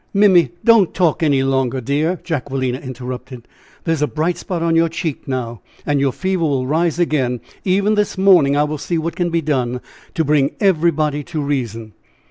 "Mimmy, don't talk any longer, dear!" Jacquelina interrupted. "There's a bright spot on your cheek now, and your fever will rise again, even this morning. I will see what can be done to bring everybody to reason!